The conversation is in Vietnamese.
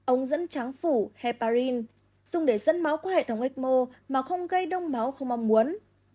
ống dẫn tráng phủ heparin dùng để dẫn máu qua hệ thống ecmo mà không gây đông máu không mong muốn